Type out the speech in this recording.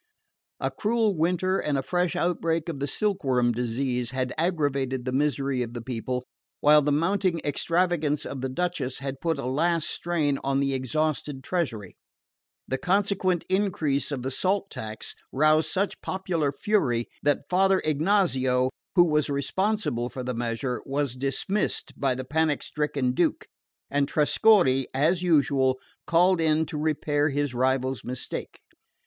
A cruel winter and a fresh outbreak of the silkworm disease had aggravated the misery of the people, while the mounting extravagance of the Duchess had put a last strain on the exhausted treasury. The consequent increase of the salt tax roused such popular fury that Father Ignazio, who was responsible for the measure, was dismissed by the panic stricken Duke, and Trescorre, as usual, called in to repair his rival's mistake.